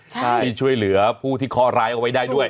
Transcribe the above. ที่ช่วยเหลือผู้ที่เคาะร้ายเอาไว้ได้ด้วย